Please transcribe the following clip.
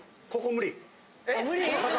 無理？